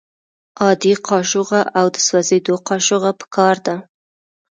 عادي قاشوغه او د سوځیدو قاشوغه پکار ده.